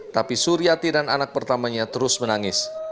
tapi suryati dan anak pertamanya terus menangis